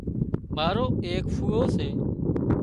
مارو ايڪ ڦُوئو سي